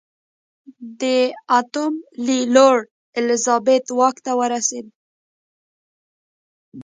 د اتم لي لور الیزابت واک ته ورسېده.